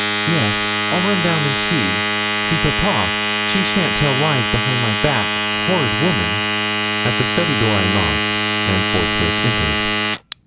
'Yes, I'll run down and see see papa; she shan't tell lies behind my back, horrid woman!' At the study door I knocked, and forthwith entered.